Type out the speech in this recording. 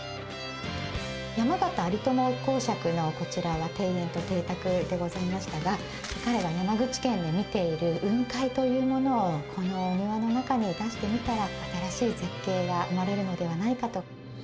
山縣有朋公爵の、こちらが庭園と邸宅でございましたが、彼が山口県で見ている雲海というものを、このお庭の中に出してみたら、新しい絶景が生まれるのではないかと。